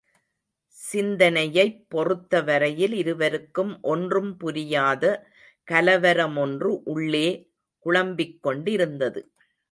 சிந்தனையைப் பொறுத்த வரையில் இருவருக்கும் ஒன்றும் புரியாத கலவரமொன்று உள்ளே குழம்பிக் கொண்டிருந்தது.